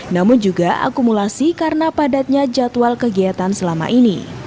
namun juga akumulasi karena padatnya jadwal kegiatan selama ini